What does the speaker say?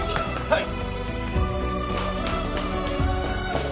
はい！